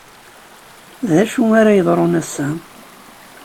D acu ara yeḍrun ass-a?